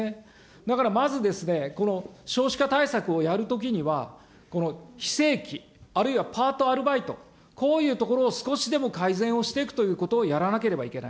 だからまず、この少子化対策をやるときには、非正規、あるいはパート、アルバイト、こういうところを少しでも改善をしていくということをやらなければいけない。